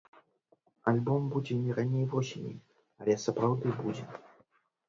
Альбом будзе не раней восені, але сапраўды будзе.